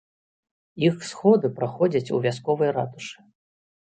Іх сходы праходзяць у вясковай ратушы.